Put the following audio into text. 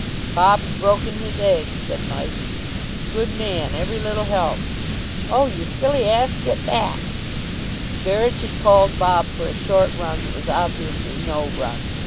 "Bob's broken his egg," said Mike. "Good man. Every little helps.... Oh, you silly ass, get back!" Berridge had called Bob for a short run that was obviously no run.